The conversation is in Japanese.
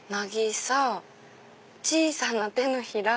「渚」「小さな手のひら」。